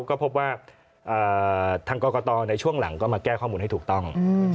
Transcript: ก็พบว่าทางกรกตในช่วงหลังก็มาแก้ข้อมูลให้ถูกต้อง